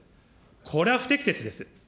これは不適切です。